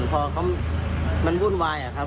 พอเขามันวุ่นวายอะครับ